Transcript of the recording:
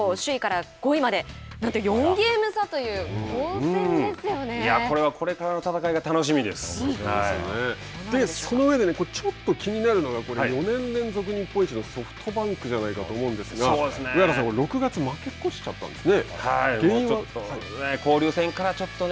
首位から５位までなんと４ゲーム差というこれはこれからの戦いがその上でちょっと気になるのが４年連続日本一のソフトバンクじゃないかと思うんですが上原さん、６月負け越しちゃったんですよね。